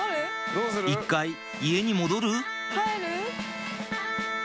一回家に戻る？